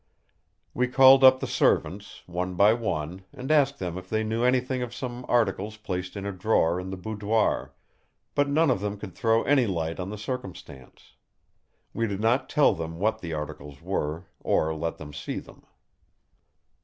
We called up the servants, one by one, and asked them if they knew anything of some articles placed in a drawer in the boudoir; but none of them could throw any light on the circumstance. We did not tell them what the articles were; or let them see them.